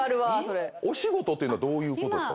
お仕事ってどういうことですか？